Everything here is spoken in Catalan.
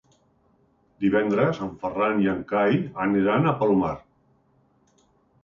Divendres en Ferran i en Cai aniran al Palomar.